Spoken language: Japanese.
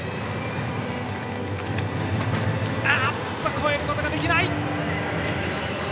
越えることができない！